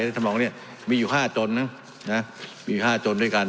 สมองเนี่ยมีอยู่๕จนนะมี๕จนด้วยกัน